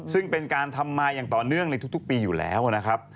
ซึ่งเป็นการทำมาอย่างต่อเนื่องในทุกปีอยู่แล้วนะครับ